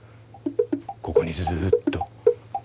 ここにずっと。